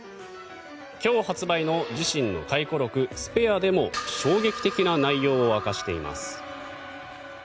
今日発売の自身の回顧録「スペア」でも衝撃的な内容を明かしています。